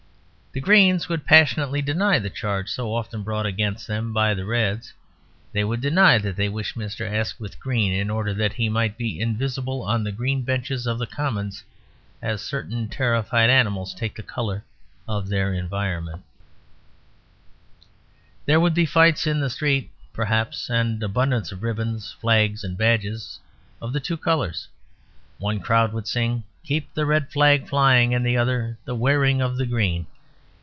The Greens would passionately deny the charge so often brought against them by the Reds; they would deny that they wished Mr. Asquith green in order that he might be invisible on the green benches of the Commons, as certain terrified animals take the colour of their environment. There would be fights in the street perhaps, and abundance of ribbons, flags, and badges, of the two colours. One crowd would sing, "Keep the Red Flag Flying," and the other, "The Wearing of the Green."